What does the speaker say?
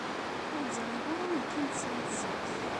Ur teẓṛiḍ ara akken tesɛid ẓheṛ.